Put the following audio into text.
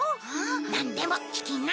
なんでも聞きな！